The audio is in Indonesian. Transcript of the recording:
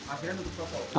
akhirnya tutup toko